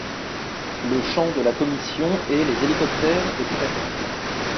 Le champ de la commission est les hélicoptères et convertibles.